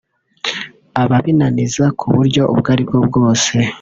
ababinaniza ku buryo ubwo ari bwo bwose